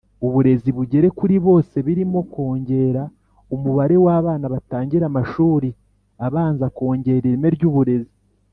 Uburezi bugere kuri bose birimo kongera umubare w’ abana batangira amashuri abanza kongera ireme ry’ uburezi.